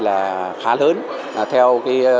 là khá lớn theo